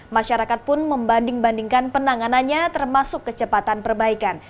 masyarakat pun membanding bandingkan penanganannya termasuk kecepatan perbaikan